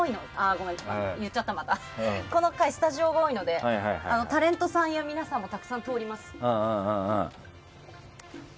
この階、スタジオ多いのでタレントさんや皆さんもたくさん通ります。